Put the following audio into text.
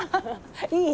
いい？